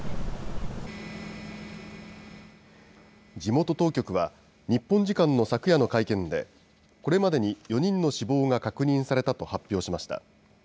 地元当局は、日本時間の昨夜の会見で、これまでに４人の死亡が確認されたと発表しました。